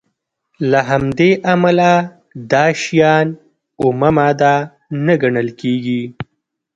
له همدې امله دا شیان اومه ماده نه ګڼل کیږي.